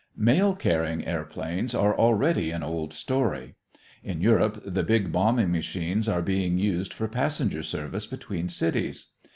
Mail carrying airplanes are already an old story. In Europe the big bombing machines are being used for passenger service between cities.